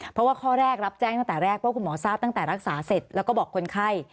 เพราะว่าข้อแรกรับแจ้งตั้งแต่แรกว่าคุณหมอทราบตั้งแต่รักษาเสร็จแล้วก็บอกคนไข้